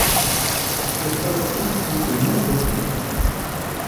Furent alors construits de nombreux ponts.